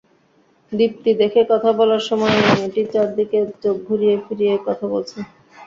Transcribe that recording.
দীপ্তি দেখে কথা বলার সময় মেয়েটি চারদিকে চোখ ঘুরিয়ে ফিরিয়ে কথা বলছে।